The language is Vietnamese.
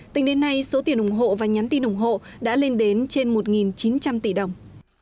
tính đến nay số tiền ủng hộ và nhắn tin ủng hộ đã lên đến trên một chín trăm linh tỷ đồng